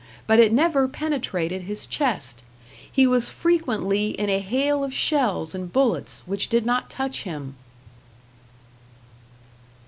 But it never penetrated his chest. He was frequently in a hail of shells and bullets which did not touch him.